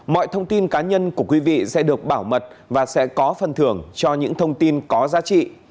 mọi thông tin cá nhân của quý vị sẽ được bảo mật và sẽ có phần thưởng cho những thông tin có giá trị